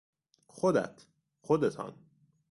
خودت، خودتان